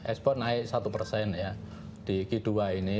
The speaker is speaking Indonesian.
ekspor naik satu persen ya di k dua ini